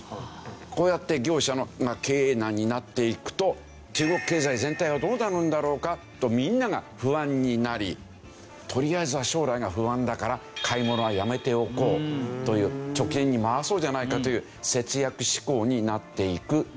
こうやって業者が経営難になっていくと中国経済全体はどうなるんだろうかとみんなが不安になりとりあえずは将来が不安だから買い物はやめておこうという貯金に回そうじゃないかという節約志向になっていく。